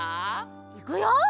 いくよ。